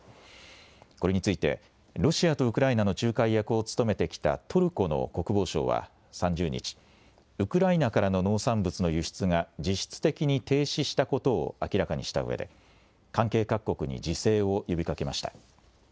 これについて、ロシアとウクライナの仲介役を務めてきたトルコの国防省は３０日、ウクライナからの農産物の輸出が実質的に停止したことを明らかにしたうえで、関係各国に自制を呼びかけました。